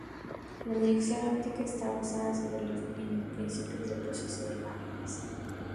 La dirección óptica está basada sobre los principios de proceso de imágenes.